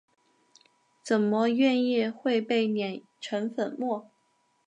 怎么愿意会被碾成粉末？